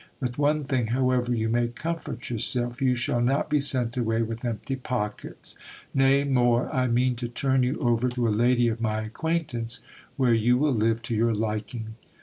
With one thing, however, you may comfort yourself, you shall not be sent away with empty pockets. Nay, more, I mean to turn you over to a lady of my acquaintance, where you will live to your liking.